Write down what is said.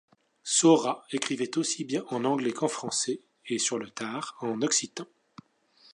Saurat écrivait aussi bien en anglais qu'en français et sur le tard en occitan.